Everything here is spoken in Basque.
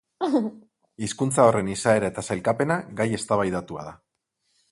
Hizkuntza horren izaera eta sailkapena gai eztabaidatua da.